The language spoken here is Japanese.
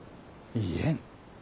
言えん？